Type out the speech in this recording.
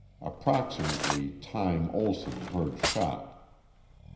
Approximately time Olson heard shot.